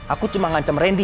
aku cuma ngancem randy